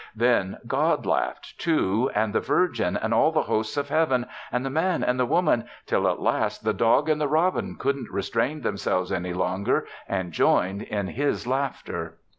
Then God laughed, too, and the Virgin, and all the Hosts of Heaven, and the Man and the Woman, till at last the dog and the robin couldn't restrain themselves any longer and joined in His laughter.